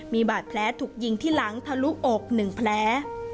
มีบาดแผลถูกยิงที่หลังทะลุอก๑แผล